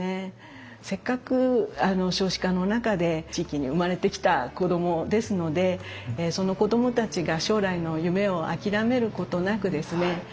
せっかく少子化の中で地域に生まれてきた子どもですのでその子どもたちが将来の夢を諦めることなくですね